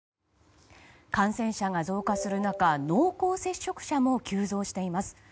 感染者が増加する中濃厚接触者も急増しています。